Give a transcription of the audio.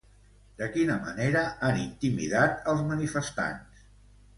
De quina manera han intimidat als manifestants?